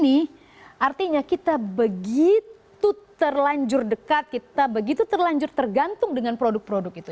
ini artinya kita begitu terlanjur dekat kita begitu terlanjur tergantung dengan produk produk itu